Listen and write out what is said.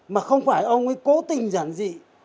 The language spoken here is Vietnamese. mà không phải ông ấy cố tình giản dị